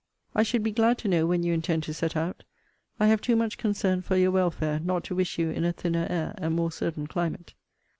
I should be glad to know when you intend to set out. I have too much concern for your welfare, not to wish you in a thinner air and more certain climate.